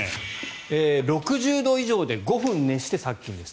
６０度以上で５分熱して殺菌です。